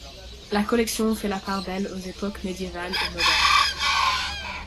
La collection fait la part belle aux époques médiévale et moderne.